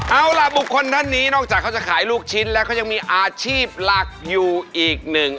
เอาล่ะบุคคลท่านนี้นอกจากเขาจะขายลูกชิ้นแล้วเขายังมีอาชีพหลักอยู่อีกหนึ่ง